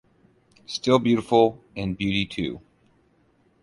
Still beautiful in beauty too.